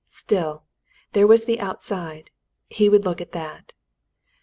Still, there was the outside: he would take a look at that.